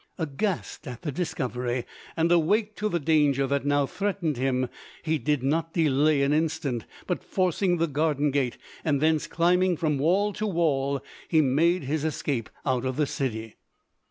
Aghast at the discovery and awake to the danger that now threatened him, he did not delay an instant, but forcing the garden gate, and thence climbing from wall to wall, he made his escape out of the city.